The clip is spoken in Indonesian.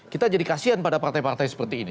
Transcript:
kita jadi kasian pada partai partai seperti ini